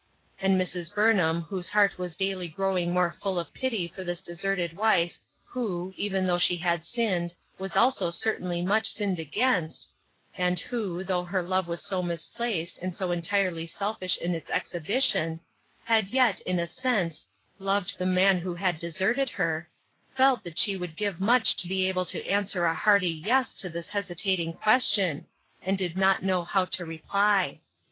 And Mrs. Burnham, whose heart was daily growing more full of pity for this deserted wife, who — even though she had sinned, was also certainly much sinned against, and who, though her love was so misplaced, and so entirely selfish in its exhibition — had yet, in a sense, loved the man who had deserted her, felt that she would give much to be able to answer a hearty Yes to this hesitating question, and did not know how to reply.